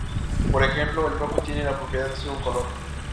Por ejemplo, el rojo tiene la propiedad de ser un color.